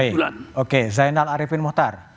oke oke zainal arifin muhtar